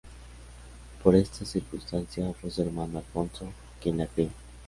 Por esta circunstancia, fue su hermano Alfonso quien la crió.